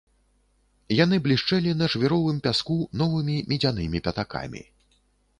Яны блішчэлі на жвіровым пяску новымі медзянымі пятакамі.